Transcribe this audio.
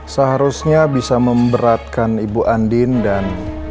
seharusnya bisa memberatkan ibu andin dan